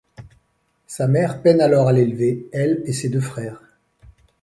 Sa mère peine alors à l’élever, elle et ses deux frères.